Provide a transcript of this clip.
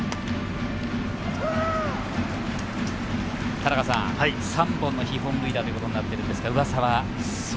田中さん、３本の被本塁打ということになっています上沢。